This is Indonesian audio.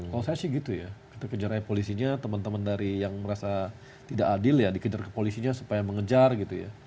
kalau saya sih gitu ya kita kejar aja polisinya teman teman dari yang merasa tidak adil ya dikejar ke polisinya supaya mengejar gitu ya